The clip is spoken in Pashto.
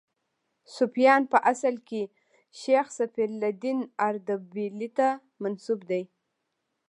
صفویان په اصل کې شیخ صفي الدین اردبیلي ته منسوب دي.